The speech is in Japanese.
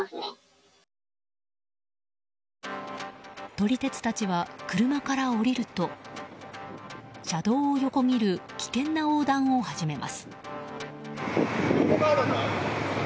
撮り鉄たちは車から降りると車道を横切る危険な横断を始めます。